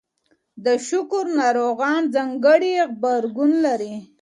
د شکر ناروغان ځانګړی غبرګون لري.